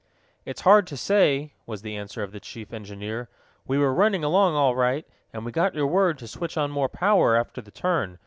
"It's hard to say," was the answer of the chief engineer. "We were running along all right, and we got your word to switch on more power, after the turn.